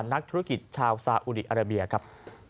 นักธุรกิจชาวซาอุดีอาราเบียครับ